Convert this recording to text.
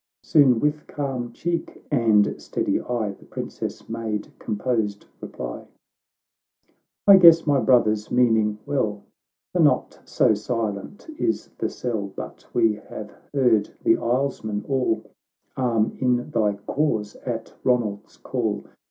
Soon with calm cheek and steady eye, The princess made composed reply :—" I guess my brother's meaning well ; For not so silent is the cell, But we have heard the islesmen all Arm in thy cause at Ronald's call.